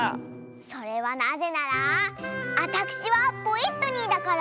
それはなぜならあたくしはポイットニーだから。